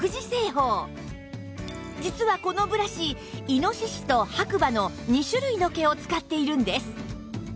実はこのブラシ猪と白馬の２種類の毛を使っているんです